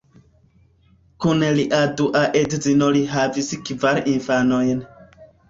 Kun lia dua edzino li havis kvar infanojn.